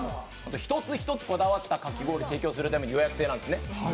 一つ一つこだわったかき氷を提供するために予約制なんですね。